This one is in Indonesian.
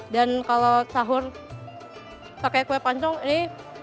dan kalau sahur pakai kue pancong ini